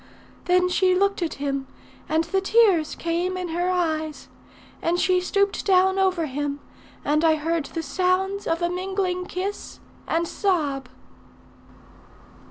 Then she looked at him, and the tears came in her eyes; and she stooped down over him, and I heard the sounds of a mingling kiss and sob."